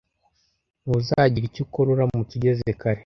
Ntuzagira icyo ukora uramutse ugeze kare.